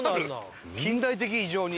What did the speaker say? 近代的異常に。